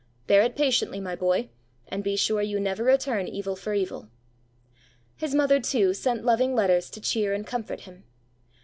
Bear it patiently, my boy, and be sure you never return evil for evil." His mother, too, sent loving letters to cheer and comfort him.